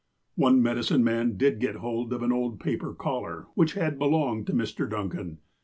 One medicine man did get hold of an old paper collar, which had belonged to Mr. Duncan.